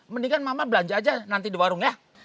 mendingan mama belanja aja nanti di warung ya